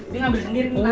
dia ambil sendiri